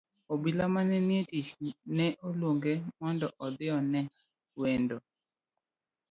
Obila mane nitie e tich noluonge mondo odhi one wende.